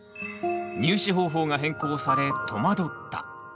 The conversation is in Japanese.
「入試方法が変更され戸惑った」。